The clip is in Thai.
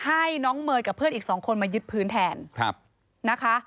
ให้น้องเมย์กับเพื่อนอีกสองคนมายึดพื้นแทนนะคะ